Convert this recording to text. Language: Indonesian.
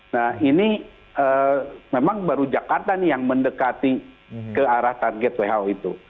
nah ini memang baru jakarta nih yang mendekati ke arah target who itu